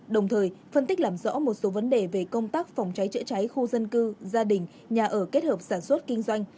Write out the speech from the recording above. đồng thời phân tích làm rõ một số vấn đề về công tác phòng cháy chữa cháy khu dân cư gia đình nhà ở kết hợp sản xuất kinh doanh